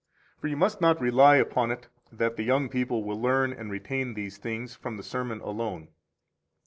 For you must not rely upon it that the young people will learn and retain these things from the sermon alone.